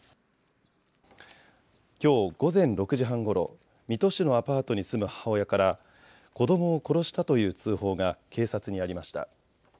きょう午前６時半ごろ水戸市のアパートに住む母親から子どもを殺したという通報が警察にありました。